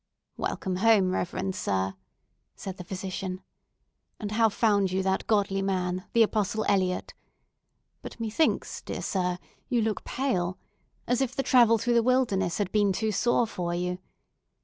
"Welcome home, reverend sir," said the physician. "And how found you that godly man, the Apostle Eliot? But methinks, dear sir, you look pale, as if the travel through the wilderness had been too sore for you.